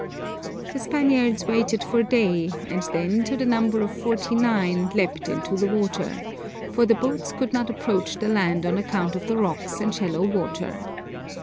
The Spaniards waited for day and then to the number of forty nine leapt into the water, for the boats could not approach the land on account of the rocks and shallow water.